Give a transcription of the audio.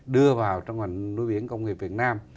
đưa vào trong ngành nuôi biển công nghiệp việt nam